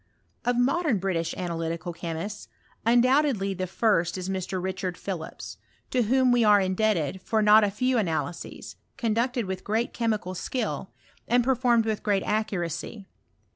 Of modern British analytical chemists, undoubtedly the first is Mr. Richard Philips ; to whom we are indebted for not a few ana lyses, conducted with great chemical skill, and per formed with great accuracy.